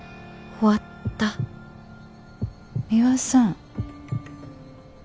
終わったミワさん。